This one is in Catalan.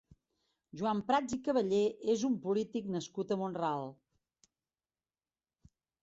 Joan Prats i Cavallé és un polític nascut a Mont-ral.